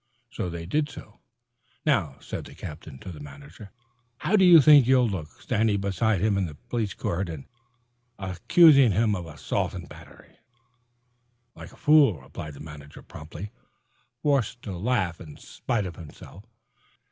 They did so. "Now," said the captain to the manager, "how do you think you'll look, standing beside him in the police court and accusing him of assault and battery?" "Like a fool," replied the manager promptly, forced to laugh in spite of himself.